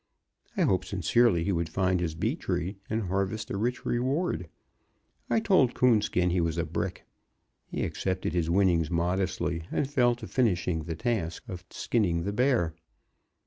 I hoped sincerely he would find his bee tree, and harvest a rich reward. I told Coonskin he was a brick. He accepted his winnings modestly, and fell to finishing the task of skinning the bear.